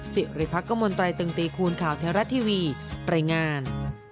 เสียงริภักษ์กระมวลไตรตึงตีคูณข่าวแท้รัฐทีวีปริงาน